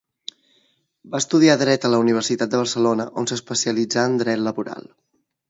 Va estudiar dret a la Universitat de Barcelona, on s'especialitzà en dret laboral.